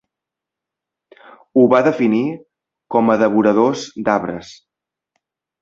Ho va definir com a "devoradors d'arbres".